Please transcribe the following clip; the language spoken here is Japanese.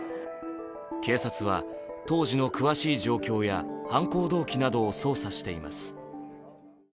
警察は当時の詳しい状況や犯行動機などを捜査しています。